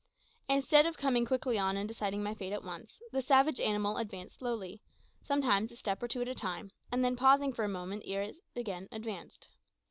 Instead of coming quickly on and deciding my fate at once, the savage animal advanced slowly, sometimes a step or two at a time, and then pausing for a moment ere it again advanced.